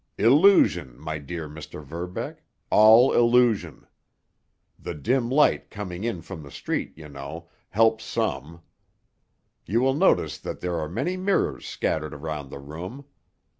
Illusion, my dear Mr. Verbeck—all illusion. The dim light coming in from the street, you know, helps some. You will notice that there are many mirrors scattered around the room.